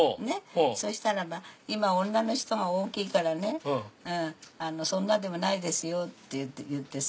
そしたら「今女の人が大きいからそんなでもないですよ」って言ってさ。